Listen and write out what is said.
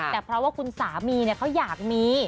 แต่เพราะว่าคุณสามีเขาอยากมี